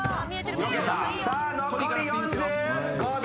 さあ残り４５秒。